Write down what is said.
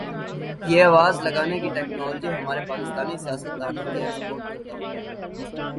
یہ آواز لگانے کی ٹیکنالوجی ہمارے پاکستانی سیاستدا نوں کی ایکسپورٹ کردہ ہوگی